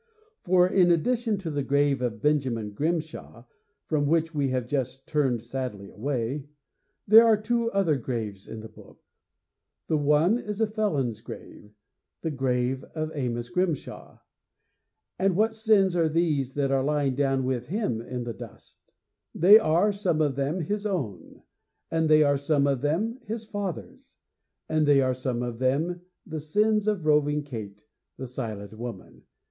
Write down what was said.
For, in addition to the grave of Benjamin Grimshaw, from which we have just turned sadly away, there are two other graves in the book. The one is a felon's grave the grave of Amos Grimshaw. And what sins are these that are lying down with him in the dust? They are some of them his own; and they are some of them his father's; and they are some of them the sins of Roving Kate, the Silent Woman.